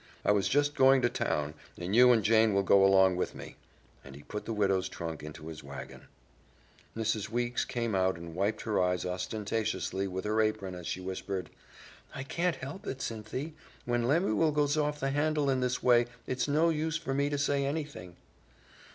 I was just going to town, and you and Jane will go along with me," and he put the widow's trunk into his wagon. Mrs. Weeks came out and wiped her eyes ostentatiously with her apron as she whispered, "I can't help it, Cynthy. When Lemuel goes off the handle in this way, it's no use for me to say anything."